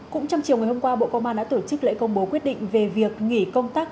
cũng trong chiều ngày hôm qua bộ công an đã tổ chức lễ công bố quyết định về việc nghỉ công tác